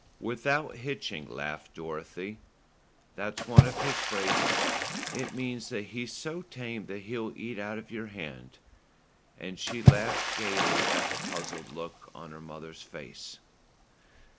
"Without hitching," laughed Dorothy. "That's one of his phrases. It means that he's so tame that he'll eat out of your hand;" and she laughed gaily at the puzzled look on her mother's face.